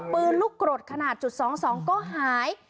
ปืนลูกกรดขนาดจุด๒๒ก็หาย